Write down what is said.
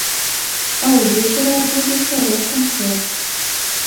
А ўвечары адбудзецца рок-канцэрт.